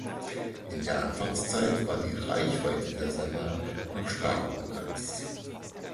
In der Anfangszeit war die Reichweite der Sender noch stark begrenzt.